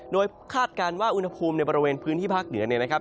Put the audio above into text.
โดยคาดการณ์ว่าอุณหภูมิในบริเวณพื้นที่ภาคเหนือเนี่ยนะครับ